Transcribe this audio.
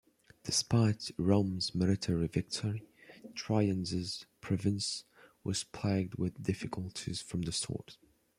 Despite Rome's military victory, Trajan's province was plagued with difficulties from the start.